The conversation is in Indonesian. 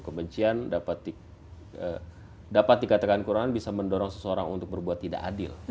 kebencian dapat dikatakan kurangan bisa mendorong seseorang untuk berbuat tidak adil